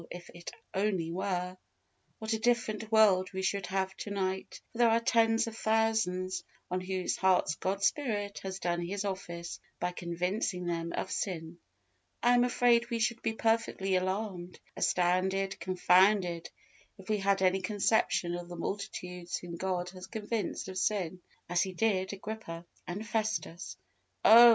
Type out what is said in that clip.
if it only were, what a different world we should have to night, for there are tens of thousands on whose hearts God's Spirit has done His office by convincing them of sin. I am afraid we should be perfectly alarmed, astounded, confounded, if we had any conception of the multitudes whom God has convinced of sin, as He did Agrippa and Festus. Oh!